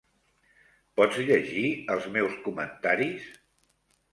Pots llegir els meus comentaris?